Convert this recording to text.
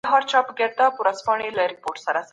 په جرګه کي مشرانو پر څه سي قسم وخوړ؟